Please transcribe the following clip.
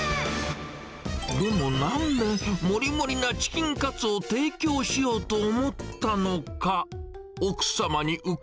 でもなんで、もりもりなチキンカツを提供しようと思ったのか？